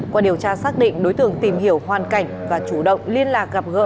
qua điều tra xác định đối tượng tìm hiểu hoàn cảnh và chủ động liên lạc gặp gỡ